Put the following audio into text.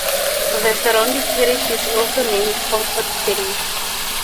The surrounding parish is also named Concord Parish.